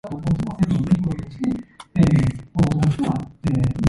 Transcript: Later it passed under the control of the Achaemenid Empire.